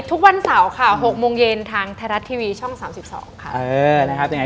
ทุกวันเสาร์ค่ะ๖โมงเย็นทางไทยรัฐทีวีช่อง๓๒ค่ะ